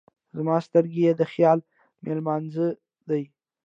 زما سترګې یې د خیال مېلمانځی دی.